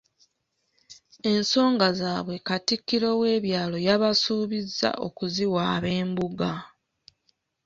Ensonga zaabwe Katikkiro w'ebyalo yabasuubizza okuziwaaba Embuga.